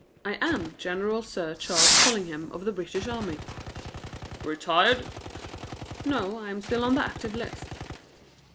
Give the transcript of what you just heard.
I am General Sir Charles Collingham, of the British Army." "Retired?" "No, I am still on the active list."